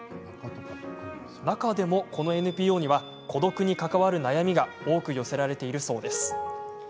中でもこのＮＰＯには孤独に関わる悩みが多く寄せられているそうです。